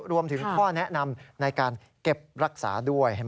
รวมถึงข้อแนะนำในการเก็บรักษาด้วย